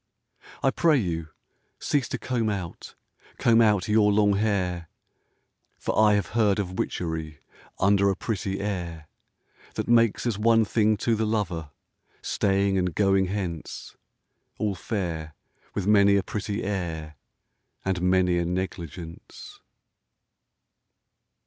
I pray you, cease to comb out, Comb out your long hair. For I have heard of witchery Under a pretty air. That makes as one thing to the lover Staying and going hence, All fair, with many a pretty air And many a negligence.